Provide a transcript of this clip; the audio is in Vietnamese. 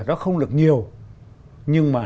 nó không được nhiều nhưng mà